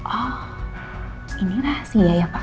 oh ini rahasia ya pak